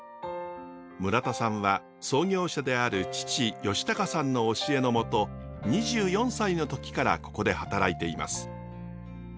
村田さんは創業者である父佳隆さんの教えの下２４歳の時からここで働いています。